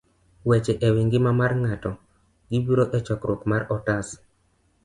Weche e Wi Ngima mar Ng'ato.gibiro e chakruok mar otas